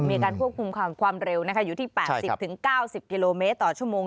มีการควบคุมความเร็วอยู่ที่๘๐๙๐กิโลเมตรต่อชั่วโมง